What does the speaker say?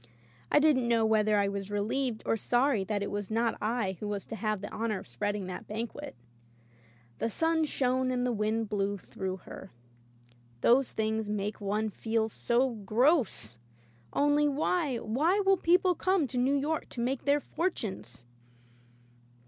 I didn't know whether I was relieved or sorry that it was not I who was to have the honor of spreading that ban quet. "The sun shone, and the wind blew, through her." Those things make one feel so gross! Only, why — why will people come to New York to make their fortunes!